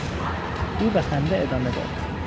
او به خنده ادامه داد.